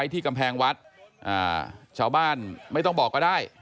ที่กำแพงวัดชาวบ้านไม่ต้องบอกก็ได้